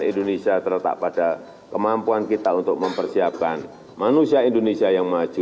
indonesia terletak pada kemampuan kita untuk mempersiapkan manusia indonesia yang maju